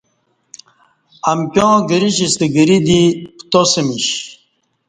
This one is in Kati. امکیاں گرش ستہ گری دی پتاسمیش